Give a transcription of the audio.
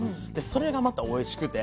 それがまたおいしくて。